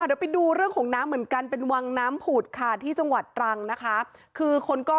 เดี๋ยวไปดูเรื่องของน้ำเหมือนกันเป็นวังน้ำผุดค่ะที่จังหวัดตรังนะคะคือคนก็